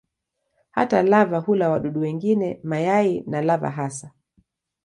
Hata lava hula wadudu wengine, mayai na lava hasa.